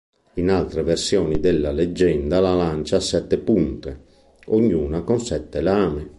In altre versioni della leggenda la lancia ha sette punte, ognuna con sette lame.